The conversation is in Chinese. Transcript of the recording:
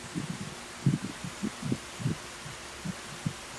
大杜鹃。